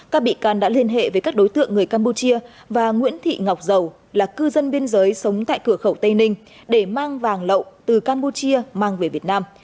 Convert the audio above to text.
các bị can đã liên hệ với các đối tượng người campuchia và nguyễn thị ngọc dầu là cư dân biên giới sống tại cửa khẩu tây ninh để mang vàng lậu từ campuchia mang về việt nam